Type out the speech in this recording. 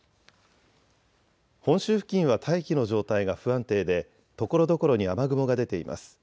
本州付近は大気の状態が不安定でところどころに雨雲が出ています。